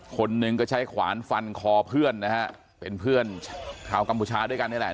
คนหนึ่งก็ใช้ขวานฟันคอเพื่อนนะฮะเป็นเพื่อนชาวกัมพูชาด้วยกันนี่แหละ